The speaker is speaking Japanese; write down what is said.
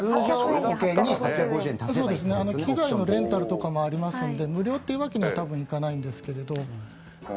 機材のレンタルもあるので無料というわけにはいかないのですが。